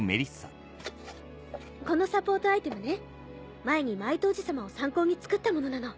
このサポートアイテムね前にマイトおじ様を参考に作ったものなの。